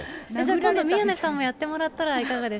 今度宮根さんもやってもらったらいかがですか？